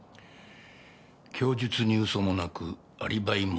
供述に嘘もなくアリバイも成立。